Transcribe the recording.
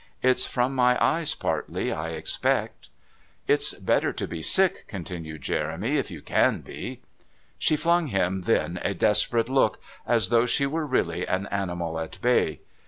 "It's from my eyes partly, I expect." "It's better to be sick," continued Jeremy, "if you can be " She flung him then a desperate look, as though she were really an animal at bay.